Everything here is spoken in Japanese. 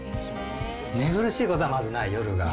寝苦しいことはまずない、夜が。